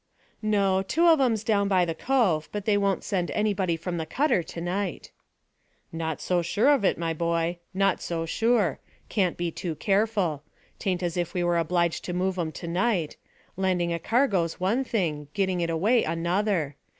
"No. Two of 'em's down by the cove, but they won't send anybody from the cutter to night." "Not so sure of it, my boy, not so sure. Can't be too careful. 'Tain't as if we were obliged to move 'em to night. Landing a cargo's one thing; getting it away another.